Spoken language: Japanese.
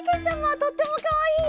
とってもかわいいよ！